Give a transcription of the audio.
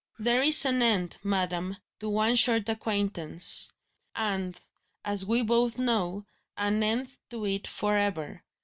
"There is an end, madam, to one short acquaintance; and, as we both know, an end to it for ever.